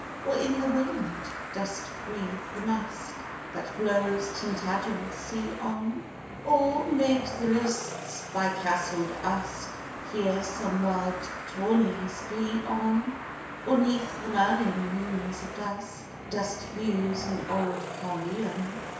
Or, in the wind, dost breathe the musk That blows Tintagel's sea on? Or 'mid the lists by castled Usk Hear some wild tourney's glee on? Or 'neath the Merlin moons of dusk Dost muse in old Caerleon?